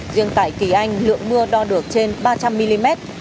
riêng tại kỳ anh lượng mưa đo được trên ba trăm linh mm